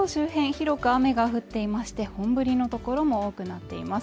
広く雨が降っていまして本降りのところも多くなっています。